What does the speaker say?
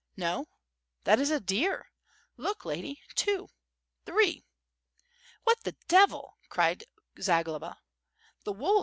"No, that is a deer. Look, lady, two — ^three." "What the devil!" cried Zagloba. "The wolves.